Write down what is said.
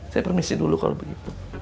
saya permisi dulu kalau begitu